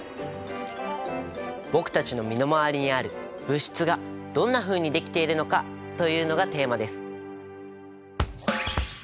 僕たちの身の回りにある物質がどんなふうにできているのかというのがテーマです。